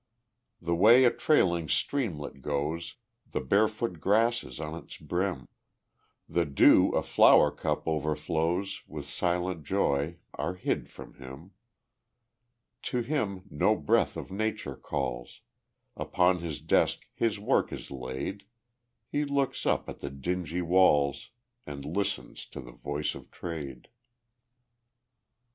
The way a trailing streamlet goes, The barefoot grasses on its brim, The dew a flower cup o'erflows With silent joy, are hid from him. To him no breath of nature calls; Upon his desk his work is laid; He looks up at the dingy walls, And listens to the voice of Trade.